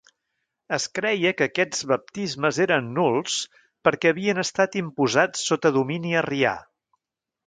Es creia que aquests baptismes eren nuls perquè havien estat imposats sota domini arrià.